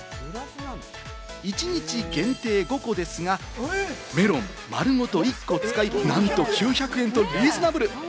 一日限定５個ですが、メロン丸ごと１個を使いなんと９００円とリーズナブル。